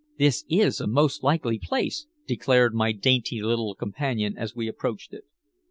"This is a most likely place," declared my dainty little companion as we approached it.